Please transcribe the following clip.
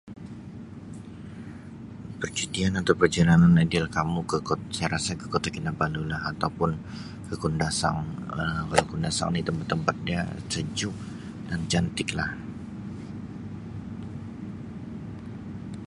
Percutian atau perjalanan ideal kamu ke ko-saya rasa ke Kota Kinabalu lah atau pun ke kundasang Um, kundasang ni tempat-tempat dia sejuk dan cantiklah.